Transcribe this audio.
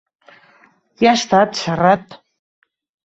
Qui ha estat, Serrat?